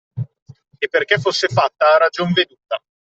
E perché fosse fatta a ragion veduta.